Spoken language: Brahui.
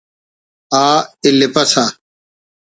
آ اِلیپسہ